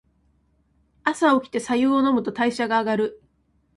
朝おきて白湯を飲むと代謝が上がる。